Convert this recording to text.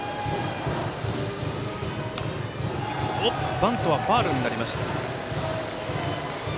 バントはファウルになりました。